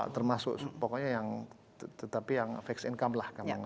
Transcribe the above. termasuk pokoknya yang tetapi yang fixed income lah